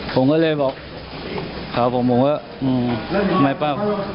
ผมก็เลยบอกเขาผมว่าทำไมป่ะ